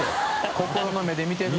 心の目で見てるの。